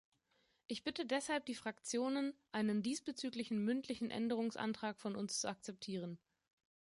Ich bitte deshalb die Fraktionen, einen diesbezüglichen mündlichen Änderungsantrag von uns zu akzeptieren.